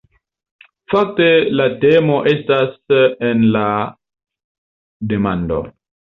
Fakte la temo ne estas la demando.